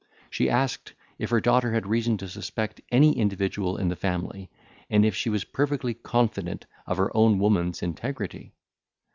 She asked, if her daughter had reason to suspect any individual in the family, and if she was perfectly confident of her own woman's integrity?